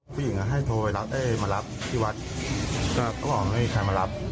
ผู้หญิงให้โทรไปรับมารับที่วัดก็เขาบอกไม่มีใครมารับ